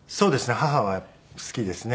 母は好きですね。